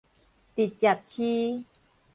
直接飼